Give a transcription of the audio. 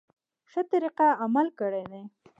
ښه طریقه عمل کړی دی.